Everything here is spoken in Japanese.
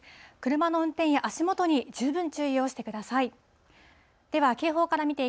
車の運転や足元に十分注意をしてください。